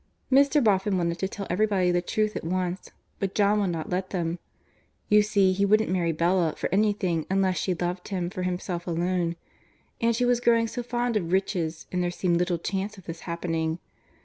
Mr. Boffin wanted to tell everybody the truth at once, but John would not let them. You see he wouldn't marry Bella for anything unless she loved him for himself alone. And she was growing so fond of riches that there seemed little chance of this happening.